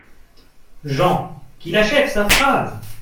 JEAN : Qu’il achève sa phrase !